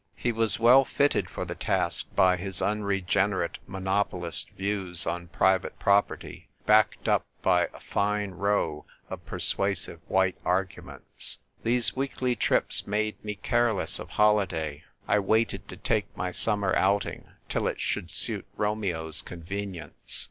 He was well fitted for the task by his unregenerate monopolist views on private property, backed up by a fine row of persuasive white arguments. These weekly trips made me careless of holiday. I waited to take my summer outing till it should suit Romeo's convenience.